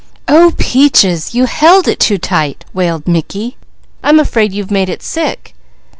"Oh Peaches, you held it too tight!" wailed Mickey. "I'm afraid you've made it sick!"